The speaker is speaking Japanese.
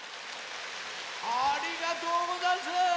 ありがとうござんす。